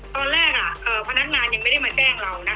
ตอนแรกพนักงานยังไม่ได้มาแจ้งเรานะคะ